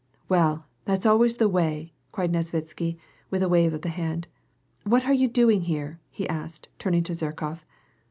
Well, that's always the way," cried Nesvitsky, with a wave of the hand. " What are you doing here ?" he asked, turning to Zherkof.